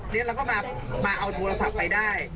เราก็มาเอาโทรศพไปได้